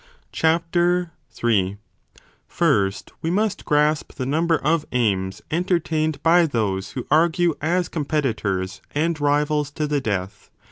3 First we must grasp the number of aims entertained by those who argue as competitors and rivals to the death.